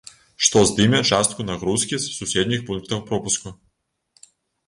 Што здыме частку нагрузкі з суседніх пунктаў пропуску.